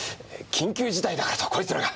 緊急事態だからとこいつらが。